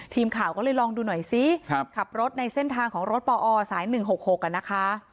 ทีมข่าวก็เลยลองดูหน่อยซิขับรถในเส้นทางของรถปอสาย๑๖๖นะคะ